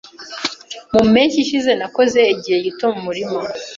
Mu mpeshyi ishize, nakoze igihe gito mu murima.